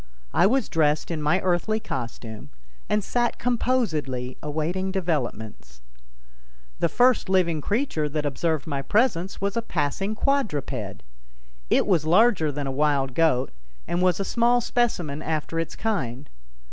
I was dressed in my earthly costume, and sat composedly awaiting developments. The first living creature that observed my presence was a passing quadruped. It was larger than a wild goat, and was a small specimen after its kind.